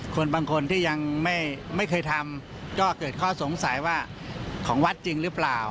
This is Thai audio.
คนบางคนที่ยังไม่เคยทำก็เกิดข้อสงสัยว่าของวัดจริงหรือเปล่า